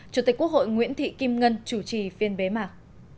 chủ tịch quốc hội nguyễn thị kim ngân chủ trì phiên bế mạc